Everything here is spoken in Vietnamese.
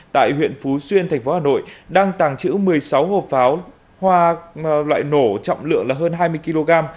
tại huyện phú xuyên thành phố hà nội đăng tảng chữ một mươi sáu hộp pháo hoa loại nổ trọng lượng hơn hai mươi kg